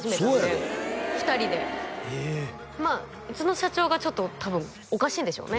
２人でまあうちの社長がちょっと多分おかしいんでしょうね